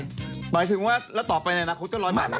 หมายถึงว่าแล้วต่อไปในอนาคตก็๑๐๐บาท